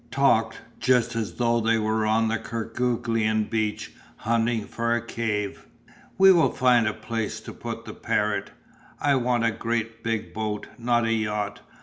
Talked just as though they were on the Kerguelen beach hunting for a cave. "We will find a place to put the parrot. I want a great big boat, not a yacht.